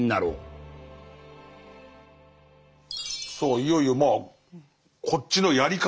いよいよまあこっちのやり方